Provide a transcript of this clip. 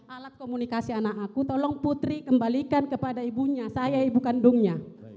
alat komunikasi anak aku tolong putri kembalikan kepada ibunya saya ibu kandungnya